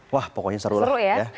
wah pokoknya seru lah